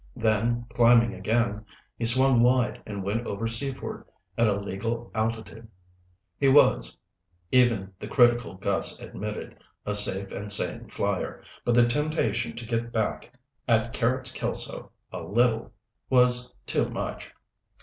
Then, climbing again, he swung wide and went over Seaford at a legal altitude. He was, even the critical Gus admitted, a safe and sane flier, but the temptation to get back at Carrots Kelso a little was too much.